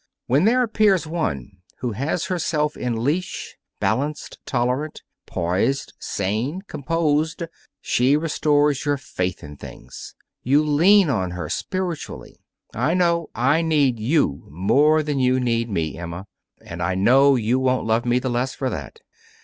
When there appears one who has herself in leash, balanced, tolerant, poised, sane, composed, she restores your faith in things. You lean on her, spiritually. I know I need you more than you need me, Emma. And I know you won't love me the less for that.